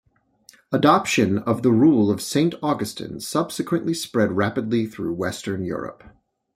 Adoption of the Rule of Saint Augustine subsequently spread rapidly through Western Europe.